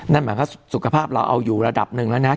นั่นหมายความว่าสุขภาพเราเอาอยู่ระดับหนึ่งแล้วนะ